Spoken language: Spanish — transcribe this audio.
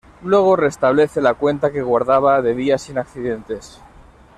Luego restablece la cuenta que guardaba de días sin accidentes.